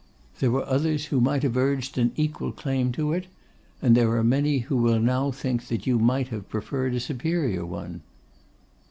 There were others who might have urged an equal claim to it; and there are many who will now think that you might have preferred a superior one.